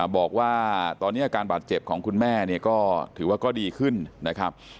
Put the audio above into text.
บอกว่าตอนนี้อาการบาดเจ็บของคุณแม่เนี่ยก็ถือว่าก็ดีขึ้นนะครับ